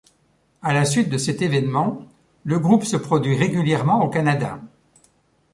À la suite de cet événement, le groupe se produit régulièrement au Canada.